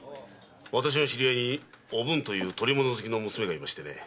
私の知り合いに“おぶん”という捕り物好きの娘がいましてねえ。